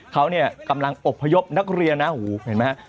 เขากำลังอบพยพนักเรียนนะโอ้โฮเห็นไหมครับ